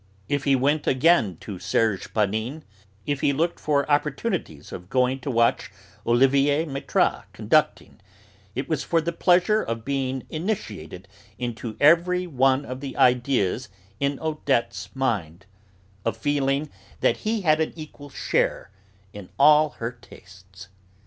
If he went again to Serge Panine, if he looked out for opportunities of going to watch Olivier Métra conducting, it was for the pleasure of being initiated into every one of the ideas in Odette's mind, of feeling that he had an equal share in all her tastes.